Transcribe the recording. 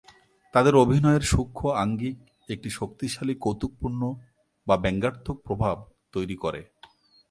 তাদের অভিনয়ের সূক্ষ্ম আঙ্গিক একটি শক্তিশালী কৌতুকপূর্ণ বা ব্যঙ্গাত্মক প্রভাব তৈরি করে।